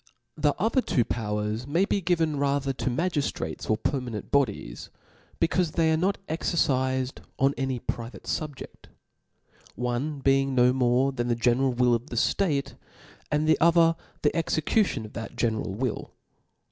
22S The other two powers may be given rather to book ttiagiftrates or permanent bodies, becaufc they are cha^^ 6* toot excrcifed on any private fubjeia ; one being no more than the general will of the ftate^ and the Other the execution of that general will.